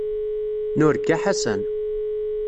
Nurga Ḥasan.